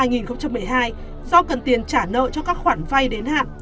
năm hai nghìn một mươi hai do cần tiền trả nợ cho các khoản vay đến hạn